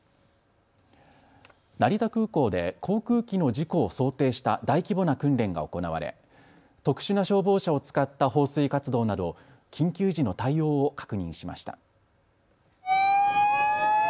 成田空港で航空機の事故を想定した大規模な訓練が行われ特殊な消防車を使った放水活動など緊急時の対応を確認しました。